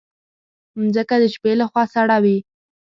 مځکه د شپې له خوا سړه وي.